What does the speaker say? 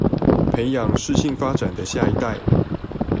培養適性發展的下一代